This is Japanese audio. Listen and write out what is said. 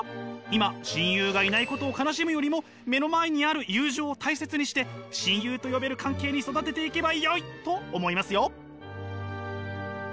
今親友がいないことを悲しむよりも目の前にある友情を大切にして親友と呼べる関係に育てていけばよいと思いますよ。